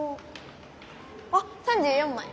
あっ３４まい。